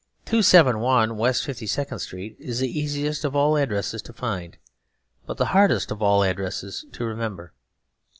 '271 West 52nd Street' is the easiest of all addresses to find, but the hardest of all addresses to remember.